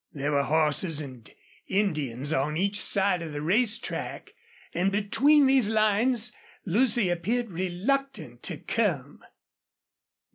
There were horses and Indians on each side of the race track, and between these lines Lucy appeared reluctant to come.